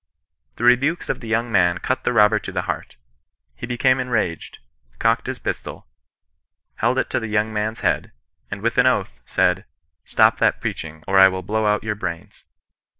The rebukes of the young man cut the robber to the heart. He became enraged, cocked his pistol, held it to the young man's head, and with an oath, said, ' Stop that preaching, or I will blow out your brains.'